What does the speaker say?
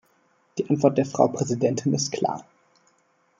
Die Antwort der Frau Präsidentin ist klar.